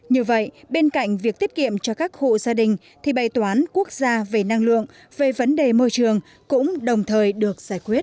như vậy bên cạnh việc tiết kiệm cho các hộ gia đình thì bày toán quốc gia về năng lượng về vấn đề môi trường cũng đồng thời được giải quyết